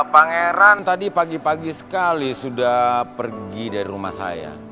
pangeran tadi pagi pagi sekali sudah pergi dari rumah saya